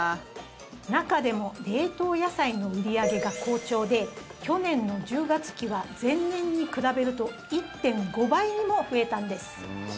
中でも冷凍野菜の売り上げが好調で去年の１０月期は前年に比べると１．５倍にも増えたんです。